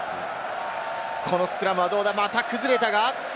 このスクラムはどうだ？また崩れたか。